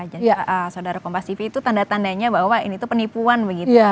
jadi saudara kompas tv itu tanda tandanya bahwa ini penipuan begitu